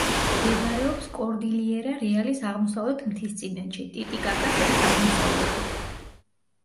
მდებარეობს კორდილიერა-რეალის აღმოსავლეთ მთისწინეთში, ტიტიკაკას ტბის აღმოსავლეთით.